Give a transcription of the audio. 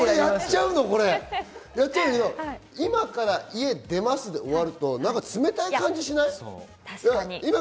今から家出ますで終わると冷たい感じしない？